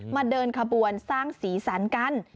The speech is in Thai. เดินขบวนสร้างสีสันกัน